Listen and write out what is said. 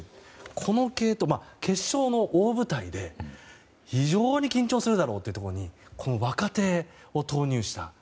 この継投、決勝の大舞台で非常に緊張するだろうというところにこの若手を投入した。